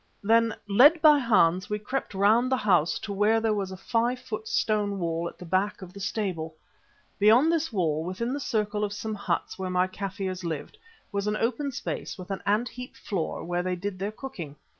Then, led by Hans, we crept round the house to where there was a five foot stone wall at the back of the stable. Beyond this wall, within the circle of some huts where my Kaffirs lived, was an open space with an ant heap floor where they did their cooking.